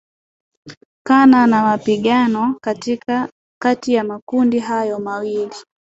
kana na mapigano kati ya makundi hayo mawili